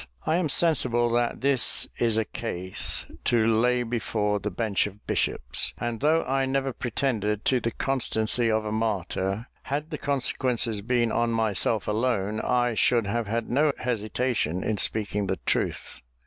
I am sensible that this is a case to lay before the bench of bishops; and though I never pretended to the constancy of a martyr, had the consequences been on myself alone, I should have had no hesitation in speaking the truth.